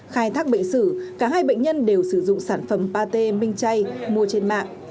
khai thác bệnh sử cả hai bệnh nhân đều sử dụng sản phẩm pate minh chay mua trên mạng